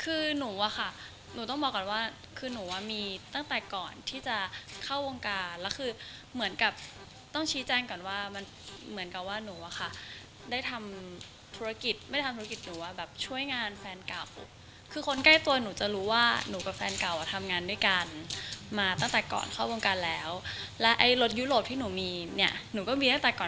คือหนูอะค่ะหนูต้องบอกก่อนว่าคือหนูอ่ะมีตั้งแต่ก่อนที่จะเข้าวงการแล้วคือเหมือนกับต้องชี้แจ้งก่อนว่ามันเหมือนกับว่าหนูอะค่ะได้ทำธุรกิจไม่ได้ทำธุรกิจหรือว่าแบบช่วยงานแฟนเก่าคือคนใกล้ตัวหนูจะรู้ว่าหนูกับแฟนเก่าอ่ะทำงานด้วยกันมาตั้งแต่ก่อนเข้าวงการแล้วและไอ้รถยุโรปที่หนูมีเนี่ยหนูก็มีตั้งแต่ก่อน